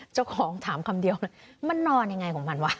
เจ้าของถามคำเดียวเลยมันนอนยังไงของมันวะ